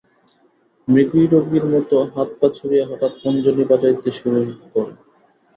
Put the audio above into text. মৃগীরোগীর মতো হাত-পা ছুড়িয়া হঠাৎ খঞ্জনী বাজাইতে শুরু করে!